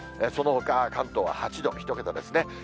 そのほか関東は８度、１桁ですね。